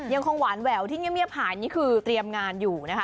ยังคงหวานแหววที่เงียบหายนี่คือเตรียมงานอยู่นะคะ